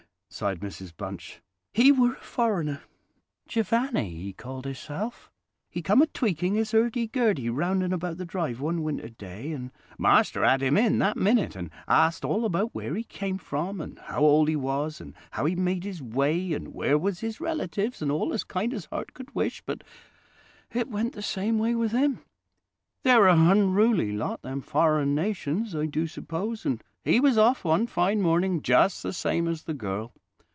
sighed Mrs Bunch. "He were a foreigner—Jevanny he called hisself—and he come a tweaking his 'urdy gurdy round and about the drive one winter day, and master 'ad him in that minute, and ast all about where he came from, and how old he was, and how he made his way, and where was his relatives, and all as kind as heart could wish. But it went the same way with him. They're a hunruly lot, them foreign nations, I do suppose, and he was off one fine morning just the same as the girl.